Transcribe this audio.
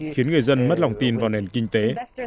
khiến người dân mất lòng tin vào nền kinh tế